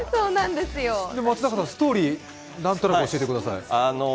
で、松坂さんストーリーなんとなく教えてください。